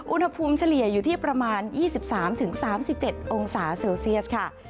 เฉลี่ยอยู่ที่ประมาณ๒๓๓๗องศาเซลเซียสค่ะ